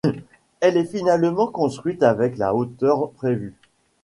Elle est finalement construite avec la hauteur prévue.